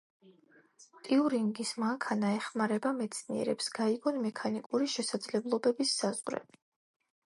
ტიურინგის მანქანა ეხმარება მეცნიერებს, გაიგონ მექანიკური შესაძლებლობების საზღვრები.